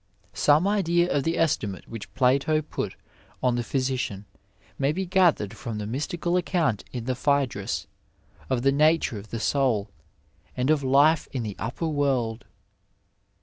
^ Some idea of the estimate which Plato put on the physi cian may be gathered from the mystical account in the PAcedrua of the nature of the soul and of Ufe in the upper world.